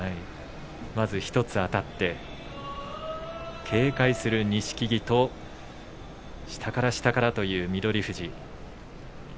まず１つあたって警戒する錦木と下から下からという翠富士。